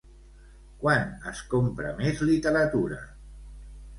Quan es compra més literatura?